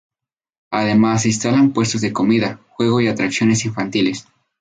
Además se instalan puestos de comida, juegos y atracciones infantiles.